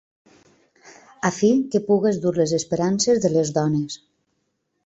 A fi que pugues dur les esperances de les dones.